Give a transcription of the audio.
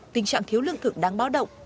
tình trạng thiếu lương thực đang báo động